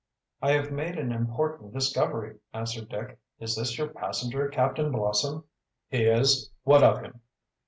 "I have made an important discovery," answered Dick. "Is this your passenger, Captain Blossom?" "He is. What of him?"